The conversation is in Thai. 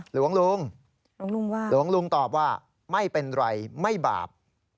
หลวงลุงตอบว่าไม่เป็นไรไม่บาป